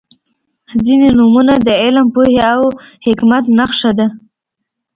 • ځینې نومونه د علم، پوهې او حکمت نښه ده.